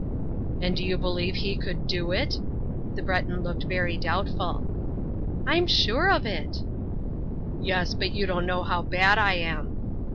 "And do you believe He could do it?" The Breton looked very doubtful. "I'm sure of it!" "Yes, but you don't know how bad I am."